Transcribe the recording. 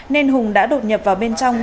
nên hùng đã đột nhập vào bên trong